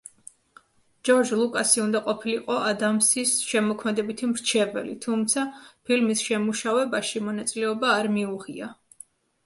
ჯორჯ ლუკასი უნდა ყოფილიყო ადამსის შემოქმედებითი მრჩეველი, თუმცა ფილმის შემუშავებაში მონაწილეობა არ მიუღია.